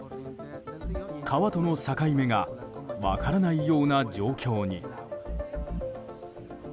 川との境目が分からないような状況に。